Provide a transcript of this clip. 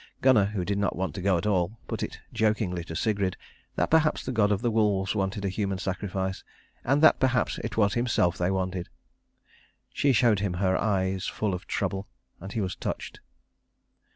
Gunnar, who did not want to go at all, put it jokingly to Sigrid that perhaps the god of the wolves wanted a human sacrifice, and that perhaps it was himself they wanted. She showed him her eyes full of trouble, and he was touched.